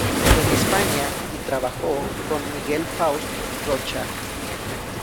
En España y trabajó con Miguel Faust Rocha.